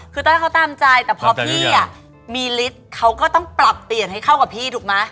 คือต้องให้เขาตามใจแต่พอพี่มีฤทธิ์เขาก็ต้องปรับเปลี่ยนให้เข้ากับพี่ถูกไหม